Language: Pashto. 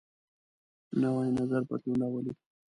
نوی نظر بدلون راولي